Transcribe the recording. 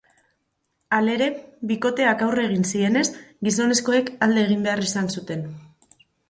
Halere, bikoteak aurre egin zienez, gizonezkoek alde egin behar izan zuten.